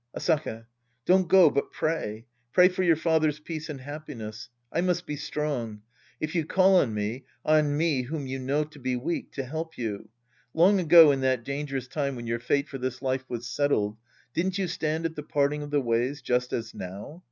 Asaka. Don't go, but pray. Pray for your father's peace and happiness. I must be strong. If you call on me, on me whom you know to be weak, to help you. Long ago in that dangerous time when your fate for this life was settled, didn't you stand at the parting of the ways just as now